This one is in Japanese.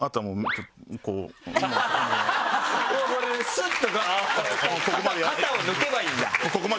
スッと肩を抜けばいいんだ。